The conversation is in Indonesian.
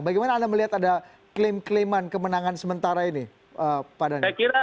bagaimana anda melihat ada klaim klaiman kemenangan sementara ini pak dhani